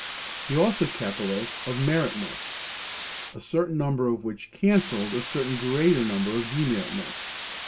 He also kept a list of merit marks, a certain number of which cancelled a certain greater number of demerit marks.